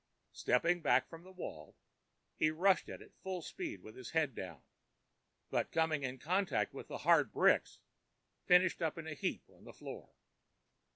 Stepping back from the wall, he rushed at it full speed with his head down; but coming in contact with the hard bricks, finished up in a heap on the floor.